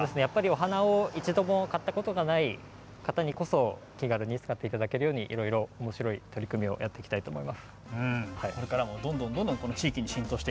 お花を一度も買ったことがない方にこそ気軽に使っていただけるようにおもしろい取り組みをやっていきたいと思います。